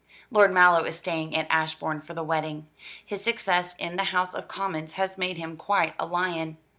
Lord Mallow is staying at Ashbourne for the wedding. His success in the House of Commons has made him quite a lion.